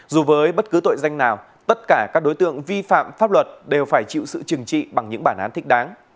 dù với bất cứ tội danh nào tất cả các đối tượng vi phạm pháp luật đều phải chịu sự trừng trị bằng những bản án thích đáng